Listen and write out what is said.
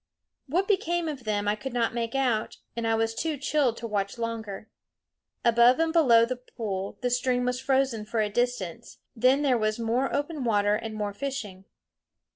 What became of them I could not make out; and I was too chilled to watch longer. Above and below the pool the stream was frozen for a distance; then there was more open water and more fishing.